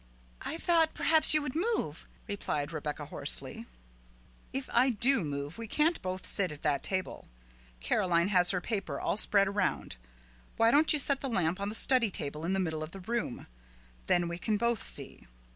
"I thought perhaps you would move," replied Rebecca hoarsely. "If I do move, we can't both sit at that table. Caroline has her paper all spread around. Why don't you set the lamp on the study table in the middle of the room, then we can both see?"